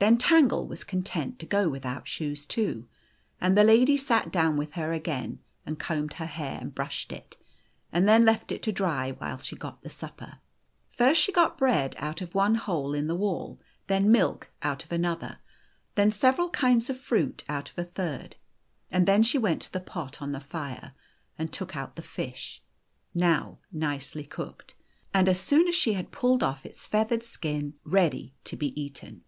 Then Tangle was content to go without shoes too. And the lady sat down with her again, and combed her hair, and brushed it, and then left it to dry while she got the supper. First she got bread out of one hole in the wall ; then milk out of another ; then several kinds of fruit out of a third ; and then she went to the pot on the fire, and took out the fish now nicely cooked, and, as soon as she had pulled oft' its feathered skin, ready to be eaten.